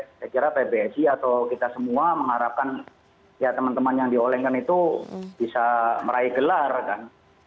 saya kira pbg atau kita semua mengharapkan ya teman teman yang diolengkan itu bisa meraih gelar kan